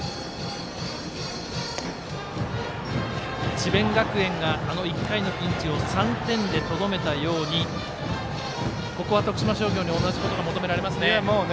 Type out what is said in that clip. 智弁学園が１回のピンチを３点でとどめたようにここは徳島商業に同じことが求められますね。